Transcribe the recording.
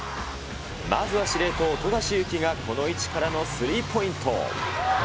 まずは司令塔、富樫勇樹がこの位置からのスリーポイント。